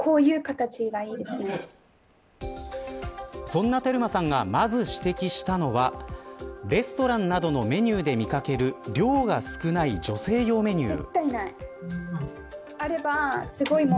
そんなテルマさんがまず指摘したのはレストランなどのメニューで見掛ける量が少ない女性用メニュー。